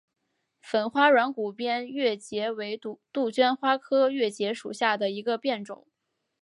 粉花软骨边越桔为杜鹃花科越桔属下的一个变种。